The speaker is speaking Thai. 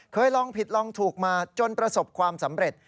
ลองผิดลองถูกมาจนประสบความสำเร็จ